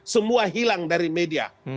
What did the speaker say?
semua hilang dari media